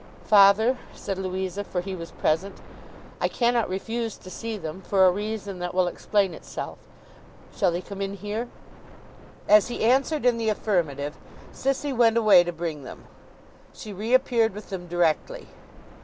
'Father,' said Louisa, for he was present, 'I cannot refuse to see them, for a reason that will explain itself. Shall they come in here?' As he answered in the affirmative, Sissy went away to bring them. She reappeared with them directly.